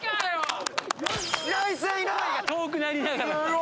声が遠くなりながら。